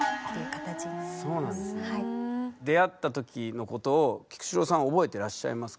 出会ったときのことを菊紫郎さんは覚えてらっしゃいますか？